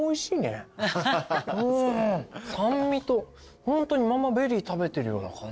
酸味とホントにまんまベリー食べてるような感じ。